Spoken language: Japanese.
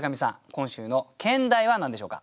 今週の兼題は何でしょうか。